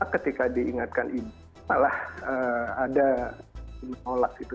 ketika diingatkan ibu malah ada menolak gitu